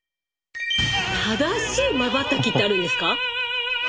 正しいまばたきってあるんですか？